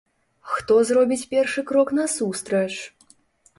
Хто зробіць першы крок насустрач?